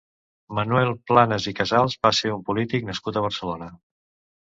Manuel Planas i Casals va ser un polític nascut a Barcelona.